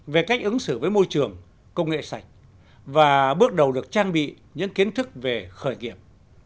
về cách ứng xử với môi trường công nghệ sạch và bước đầu được trang bị những kiến thức về khởi nghiệp